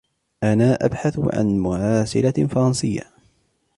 أنا أبحث عن مراسلة فرنسية.